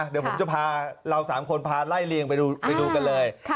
เดี๋ยวผมจะพาเรา๓คนพาไล่เลียงไปดูกันเลย